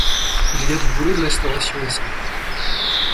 Il y a du boulot de restauration ici!